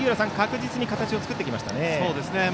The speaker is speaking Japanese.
確実に形を作ってきました。